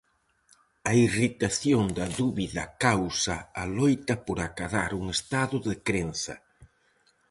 A irritación da dúbida causa a loita por acadar un estado de crenza.